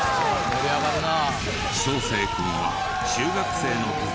盛り上がるな。